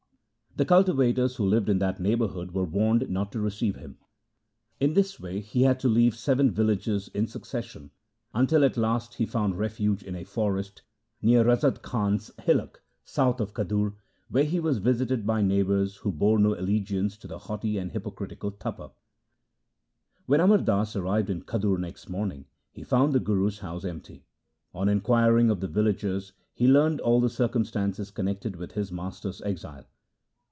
The cultivators who lived in that neighbourhood were warned not to receive him. In this way he had to leave seven villages in sue LIFE OF GURU ANGAD 37 cession, until at last he found refuge in a forest near Razad Khan's hillock, south of Khadur, where he was visited by neighbours who bore no allegiance to the haughty and hypocritical Tapa. When Amar Das arrived in Khadur next morning, he found the Guru's house empty. On inquiring of the villagers, he learned all the circumstances connected with his master's exile.